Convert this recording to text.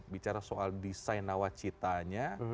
bicara soal desain nawacitanya